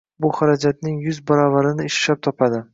Bu xarajatning yuz baravarini ishlab topadi.